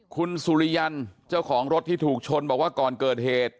คุณสุริยันเจ้าของรถที่ถูกชนบอกว่าก่อนเกิดเหตุ